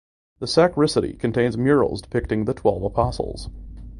The sacristy contains murals depicting the Twelve Apostles.